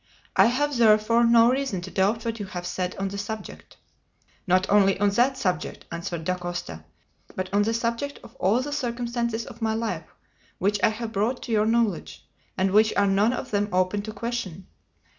I have, therefore, no reason to doubt what you have said on the subject." "Not only on that subject," answered Dacosta, "but on the subject of all the circumstances of my life which I have brought to your knowledge, and which are none of them open to question."